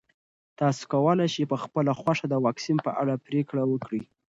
تاسو کولی شئ په خپله خوښه د واکسین په اړه پرېکړه وکړئ.